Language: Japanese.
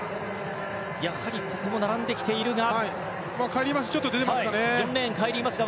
やはり並んできているが。